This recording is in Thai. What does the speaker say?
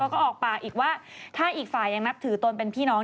แล้วก็ออกปากอีกว่าถ้าอีกฝ่ายยังนับถือตนเป็นพี่น้อง